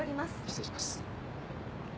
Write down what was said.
失礼します。